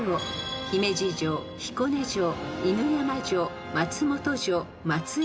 ［姫路城彦根城犬山城松本城松江城］